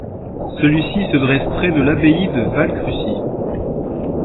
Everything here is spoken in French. Celui-ci se dresse près de l'abbaye de Valle Crucis.